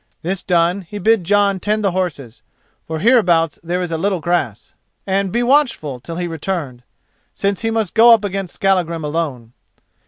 This done, he bid Jon tend the horses—for hereabouts there is a little grass—and be watchful till he returned, since he must go up against Skallagrim alone.